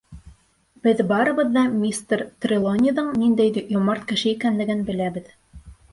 Беҙ барыбыҙ ҙа мистер Трелониҙың ниндәй йомарт кеше икәнлеген беләбеҙ.